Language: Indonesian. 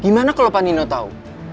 gimana kalau panino tau